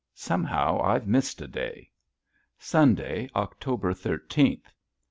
Somehow I've missed a day. Sunday, October thirteenth.